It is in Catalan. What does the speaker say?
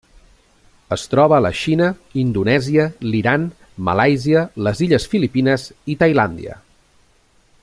Es troba a la Xina, Indonèsia, l'Iran, Malàisia, les illes Filipines i Tailàndia.